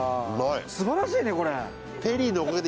すばらしいねこれ。